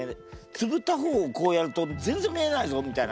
つぶった方をこうやると全然見えないぞみたいな